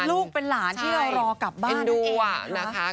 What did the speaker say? ลูกเป็นหลานที่เรารอกลับบ้านดูนะคะ